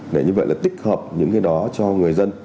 để như vậy là tích hợp những cái đó cho người dân